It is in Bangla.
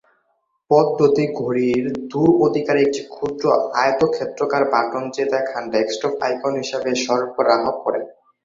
পদ্ধতি ঘড়ির দূর অধিকারে একটি ক্ষুদ্র আয়তক্ষেত্রাকার বাটন যে দেখান ডেস্কটপ আইকন হিসেবে সরবরাহ করে।